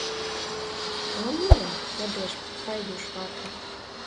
— Мо лийын? — йодеш Пайдуш вате.